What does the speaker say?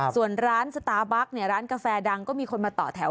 ส่วนร้านสตาร์บั๊กเนี่ยร้านกาแฟดังก็มีคนมาต่อแถว